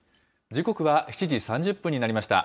時刻は７時３０分になりました。